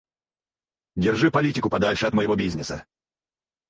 Держи политику подальше от моего бизнеса.